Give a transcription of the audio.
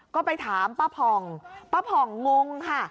ก็ไปถามป๊าผองป๊าผองงงค่ะ